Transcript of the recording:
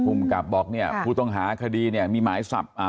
ภูมิกับบอกเนี่ยผู้ต้องหาคดีเนี่ยมีหมายจับอ่า